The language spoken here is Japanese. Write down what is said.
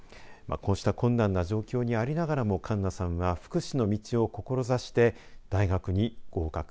こうした困難な状況にありながらも、栞奈さんは福祉の道を志して大学に合格。